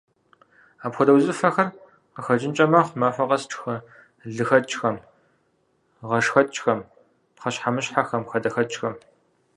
Апхуэдэ узыфэхэр къыхэкӀынкӀэ мэхъу махуэ къэс тшхы лыхэкӀхэм, гъэшхэкӀхэм, пхъэщхьэмыщхьэхэм, хадэхэкӀхэм.